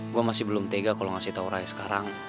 gue masih belum tega kalau ngasih tau raya sekarang